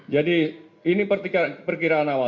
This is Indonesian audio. jadi ini perkiraan awal